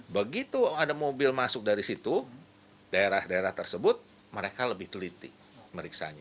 begitu ada mobil masuk dari situ daerah daerah tersebut mereka lebih teliti meriksanya